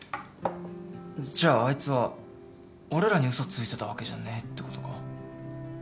じゃああいつは俺らに嘘ついてたわけじゃねえってことか？